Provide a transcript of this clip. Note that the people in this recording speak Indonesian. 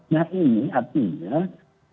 nah ini artinya